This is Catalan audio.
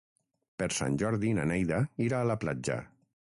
Per Sant Jordi na Neida irà a la platja.